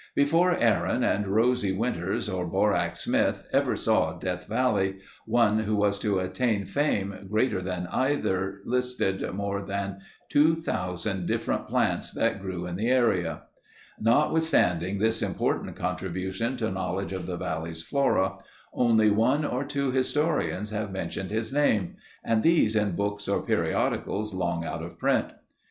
Before Aaron and Rosie Winters or Borax Smith ever saw Death Valley, one who was to attain fame greater than either listed more than 2000 different plants that grew in the area. Notwithstanding this important contribution to knowledge of the valley's flora, only one or two historians have mentioned his name, and these in books or periodicals long out of print.